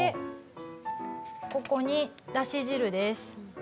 ここにだし汁です。